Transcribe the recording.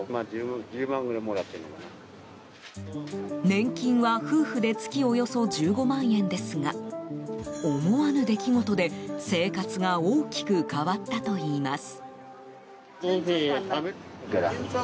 年金は夫婦で月およそ１５万円ですが思わぬ出来事で、生活が大きく変わったといいます。